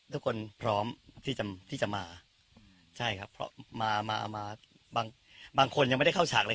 ทุกคนพร้อมที่จะมาใช่ครับเพราะมามาบางบางคนยังไม่ได้เข้าฉากเลย